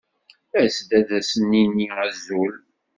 As-d ad asen-nini azul.